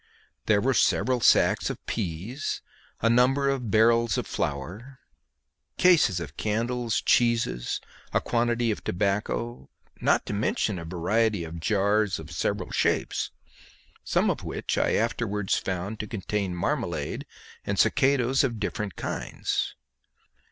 There were several sacks of pease, a number of barrels of flour, cases of candles, cheeses, a quantity of tobacco, not to mention a variety of jars of several shapes, some of which I afterwards found to contain marmalade and succadoes of different kinds.